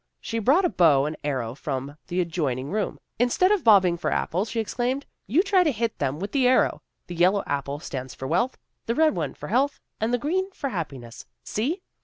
She brought a bow and arrow from the adjoin ing room. " Instead of bobbing for apples," she explained, " you try to hit them with the arrow. The yellow apple stands for wealth, the red one for health, and the green for happi ness. See!